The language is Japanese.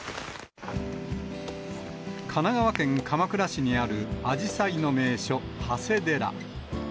神奈川県鎌倉市にあるアジサイの名所、長谷寺。